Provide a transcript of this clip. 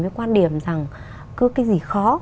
với quan điểm rằng cứ cái gì khó